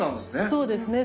そうですね。